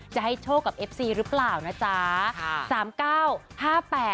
จะให้โชคกับเอฟซีหรือเปล่านะจ๊ะ